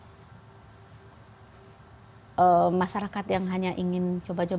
kemudian kalau para masyarakat yang hanya ingin coba coba